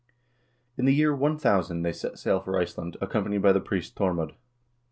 In the year 1000 they set sail for Iceland, accompanied by the priest Thormod.